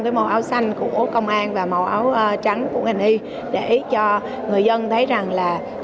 cái màu áo xanh của công an và màu áo trắng của ngành y để cho người dân thấy rằng là